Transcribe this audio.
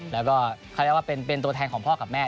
แล้วก็คือเป็นตัวแทนของพ่อกับแม่